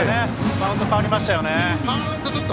バウンド変わりましたよね。